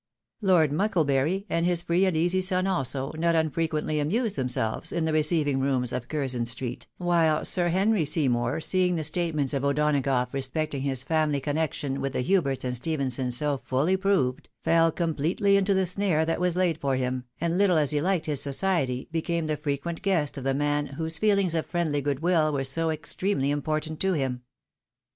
Lord Mucklebury, and his free and easy son also, not un frequently amused themselves in the receiving rooms of Curzon tsreet, wliile Sir Henry Seymour, seeing the statements of O'Donagough respecting his family connection with the Huberts and Stephensons so fully proved, feU completely into the snare PROSPEROUS POLICY. 805 that was laid for him, and little as he Uked his society, became the frequent guest of the man whose feehngs of friendly good will were so extremely important to him.